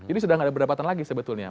ini sudah gak ada berdapatan lagi sebetulnya